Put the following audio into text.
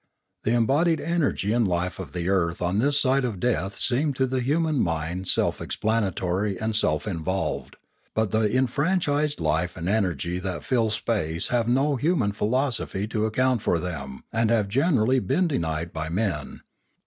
The embodied energy and life of the earth on this side of death seem to the human mind self explan atory and self involved; but the enfranchised life and energy that fill space have no human philosophy to account for them and have generally been denied by men.